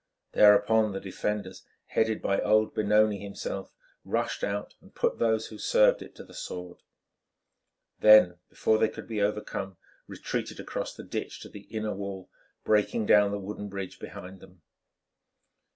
Thereon the defenders, headed by old Benoni himself, rushed out and put those who served it to the sword; then before they could be overcome, retreated across the ditch to the inner wall, breaking down the wooden bridge behind them.